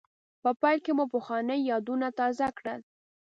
په پیل کې مو پخواني یادونه تازه کړل.